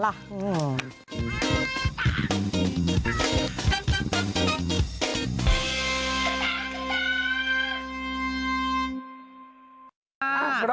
แล้วลังปะละ